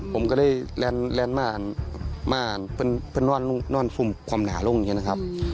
ผมก็เลยแหลนมารมารว่าน้อนฟุ้มความหนาลงอย่างนี้นะครับ